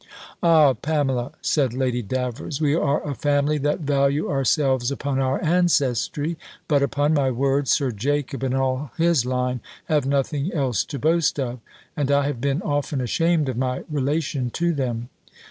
"Ah, Pamela," said Lady Davers, "we are a family that value ourselves upon our ancestry; but, upon my word, Sir Jacob, and all his line, have nothing else to boast of. And I have been often ashamed of my relation to them."